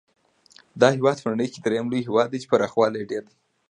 دا هېواد په نړۍ کې درېم لوی هېواد دی چې پراخوالی یې ډېر دی.